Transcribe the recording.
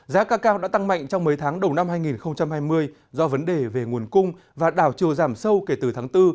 giá cacao đã tăng mạnh trong mấy tháng đầu năm hai nghìn hai mươi do vấn đề về nguồn cung và đảo chiều giảm sâu kể từ tháng bốn